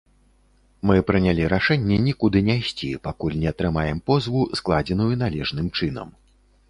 Мы прынялі рашэнне нікуды не ісці, пакуль не атрымаем позву, складзеную належным чынам.